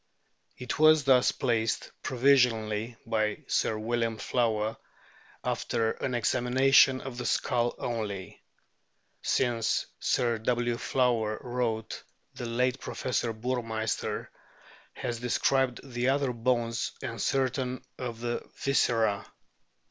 It was thus placed provisionally by 302 A BOOK OF WHALES Sir William Flower* after an examination of the skull only ; since Sir \Y. Flower wrote, the late Professor Burmeisterf has described the other bones and certain of the viscera.